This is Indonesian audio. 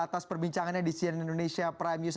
atas perbincangannya di cnn indonesia prime news